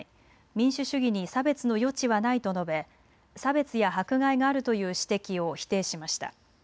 民主主義に差別の余地はないと述べ差別や迫害があるという指摘を否定しました。